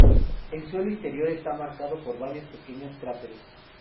El suelo interior está marcado por varios pequeños cráteres.